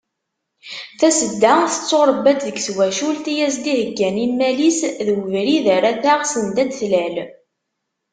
Tasedda tetturebba-d deg twacult i as-d-iheggan immal-is d ubrid ara taɣ send ad d-tlal.